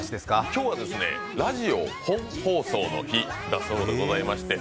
今日はラジオ本放送の日だそうでございまして